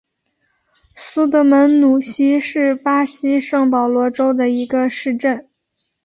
苏德门努西是巴西圣保罗州的一个市镇。